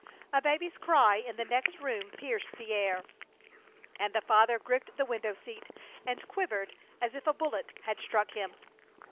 A baby's cry in the next room pierced the air, and the father gripped the window seat and quivered as if a bullet had struck him.